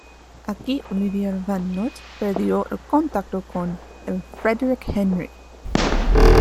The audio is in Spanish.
Aquí Olivier van Noort perdió el contacto con el "Frederick Henry".